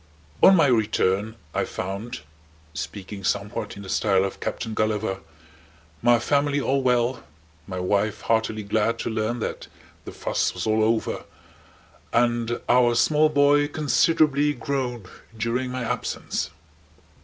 On my return I found (speaking somewhat in the style of Captain Gulliver) my family all well, my wife heartily glad to learn that the fuss was all over, and our small boy considerably grown during my absence.